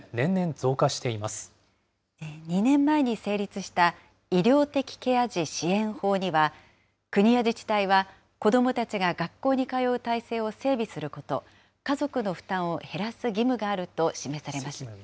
２年前に成立した、医療的ケア児支援法には、国や自治体は子どもたちが学校に通う体制を整備すること、家族の負担を減らす義務があると示されました。